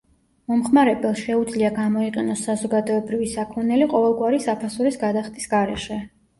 მომხმარებელს შეუძლია გამოიყენოს საზოგადოებრივი საქონელი ყოველგვარი საფასურის გადახდის გარეშე.